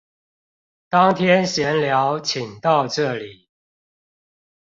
當天閒聊請到這裡